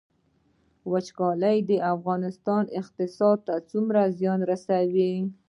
وچکالي د افغانستان اقتصاد ته څومره زیان رسوي؟